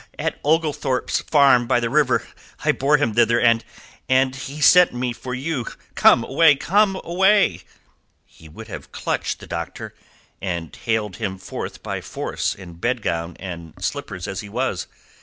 at Oglethorpe's Farm by the river. I bore him thither... and... and he sent me for you. Come away! Come away!" He would have clutched the doctor, and haled him forth by force in bedgown and slippers as he was.